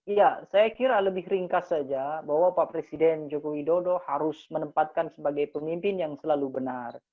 ya saya kira lebih ringkas saja bahwa pak presiden joko widodo harus menempatkan sebagai pemimpin yang selalu benar